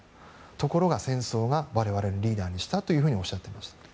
ところが戦争が我々のリーダーにしたとおっしゃっていました。